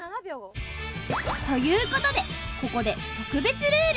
ということでここで特別ルール。